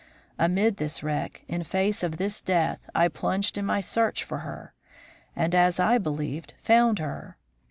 Amid this wreck, in face of this death, I plunged in my search for her, and, as I believed, found her.